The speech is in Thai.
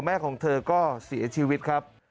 แม่ของเธอก็เสียชีวิตครับ